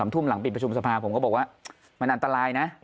ทุ่มหลังปิดประชุมสภาผมก็บอกว่ามันอันตรายนะ